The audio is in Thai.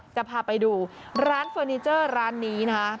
จะพาไปดูร้านเฟอร์นิเจอร์ร้านนี้นะคะ